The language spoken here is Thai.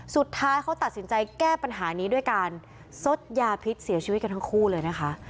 สุดท้ายเขาตัดสินใจแก้ปัญหานี้ด้วยการซดยาพิษเสียชีวิตกันทั้งคู่เลยนะคะ